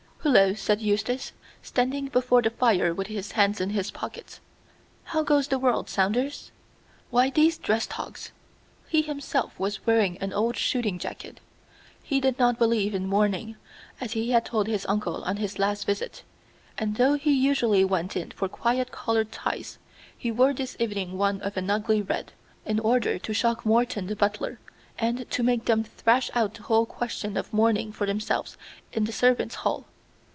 "Hullo!" said Eustace, standing before the fire with his hands in his pockets. "How goes the world, Saunders? Why these dress togs?" He himself was wearing an old shooting jacket. He did not believe in mourning, as he had told his uncle on his last visit; and though he usually went in for quiet colored ties, he wore this evening one of an ugly red, in order to shock Morton the butler, and to make them thrash out the whole question of mourning for themselves in the servants' hall.